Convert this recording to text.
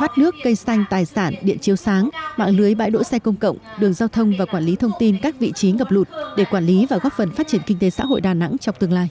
phát triển kinh tế xã hội đà nẵng trong tương lai